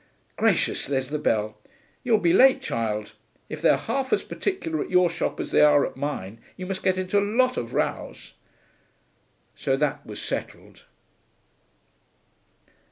Gracious, there's the bell. You'll be late, child. If they're half as particular at your shop as they are at mine, you must get into a lot of rows.' So that was settled.